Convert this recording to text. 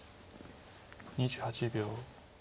２８秒。